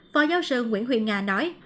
phó giáo sư nguyễn huyền nga nói